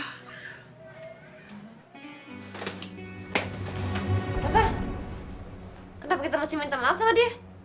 apa kenapa kita mesti minta maaf sama dia